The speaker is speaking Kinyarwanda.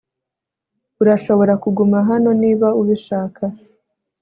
urashobora kuguma hano niba ubishaka